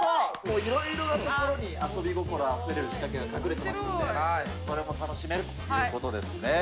いろいろな所に遊び心あふれる仕掛けが隠れてますんで、それも楽しめるということですね。